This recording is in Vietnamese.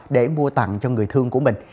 để mua tặng cho người thương của mình